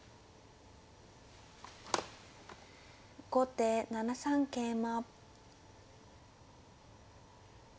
後手７三桂馬。